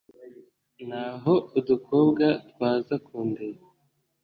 naho udukobwa twaza kundeba